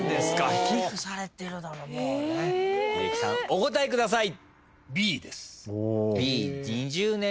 お答えください。